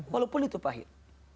walaupun itu pahit